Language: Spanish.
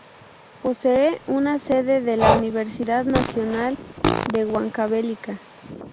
Posee una sede de la Universidad Nacional de Huancavelica.